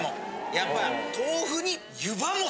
やっぱ。